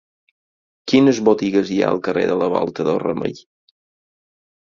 Quines botigues hi ha al carrer de la Volta del Remei?